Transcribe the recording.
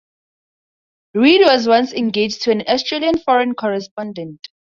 Reed was once engaged to an Australian foreign correspondent.